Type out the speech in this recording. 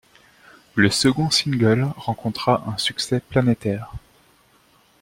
Le second single rencontra un succès planétaire.